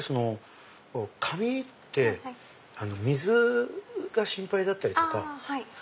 紙って水が心配だったりとか。